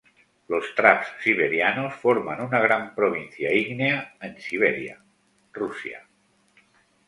Los "traps" siberianos forman una gran provincia ígnea en Siberia, Rusia.